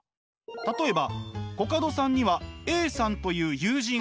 例えばコカドさんにはＡさんという友人がいたとします。